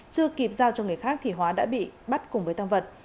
chưa kịp giao cho người khác thì hóa đã bị bắt cùng với tăng vật